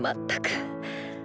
全く！